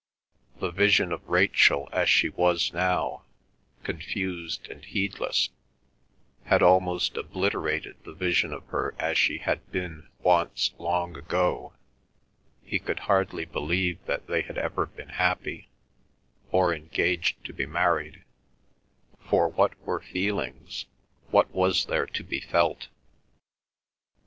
The vision of Rachel as she was now, confused and heedless, had almost obliterated the vision of her as she had been once long ago; he could hardly believe that they had ever been happy, or engaged to be married, for what were feelings, what was there to be felt?